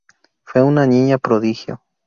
Fue una niña prodigio.